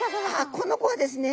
この子はですね